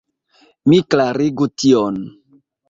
Mi klarigu tion.